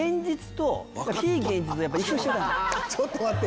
ちょっと待って！